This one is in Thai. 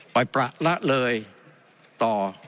ประละเลยต่อ